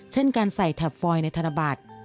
เช่นการใส่แท็บฟอยในธนบัตร